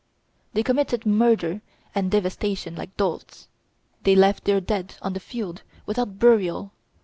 They committed murder and devastation like dolts. They left their dead on the field, without burial.